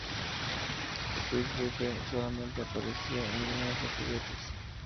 Sideswipe solamente apareció en línea de juguetes.